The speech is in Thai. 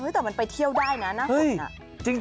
แต่มันไปเที่ยวได้นะน่าเห็น